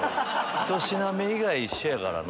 １品目以外一緒やからな。